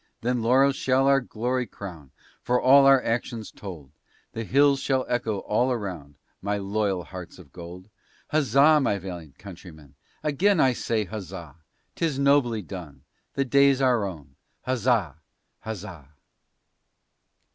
Then laurels shall our glory crown For all our actions told: The hills shall echo all around, My loyal hearts of gold. Huzzah, my valiant countrymen! again I say huzzah! 'Tis nobly done, the day's our own, huzzah, huzzah!